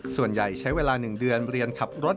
ส่วนใหญ่ใช้เวลา๑เดือนเรียนขับรถ